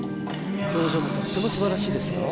表情もとっても素晴らしいですよ